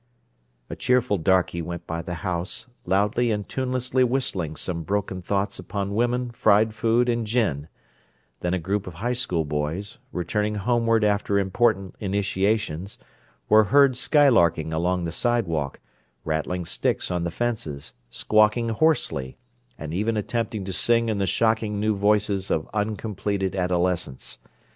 A cheerful darkey went by the house, loudly and tunelessly whistling some broken thoughts upon women, fried food and gin; then a group of high school boys, returning homeward after important initiations, were heard skylarking along the sidewalk, rattling sticks on the fences, squawking hoarsely, and even attempting to sing in the shocking new voices of uncompleted adolescence.